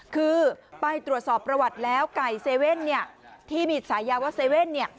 คือไปตรวจสอบประวัติแล้วไก่เซเว่นที่มีฉายาว่าเซเว่น